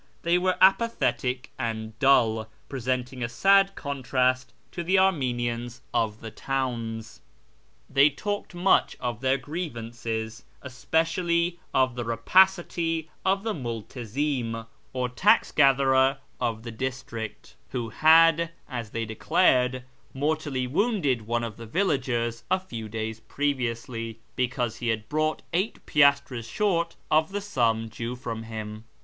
They were apathetic and dull, presenting a sad contrast to the Armenians of the towns. They talked much of their grievances, especially of the rapacity of the multezim, or tax gatherer, of the district, who had, as they declared, mortally wounded one of the villagers a few days previously, because he had brought eight piastres short of the sum due from him.